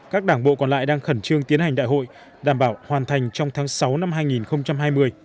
các đảng bộ còn lại đang khẩn trương tiến hành đại hội đảm bảo hoàn thành trong tháng sáu năm hai nghìn hai mươi